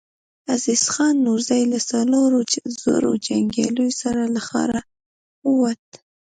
عزيز خان نورزی له څلورو زرو جنګياليو سره له ښاره ووت.